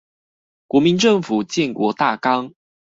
國民政府建國大綱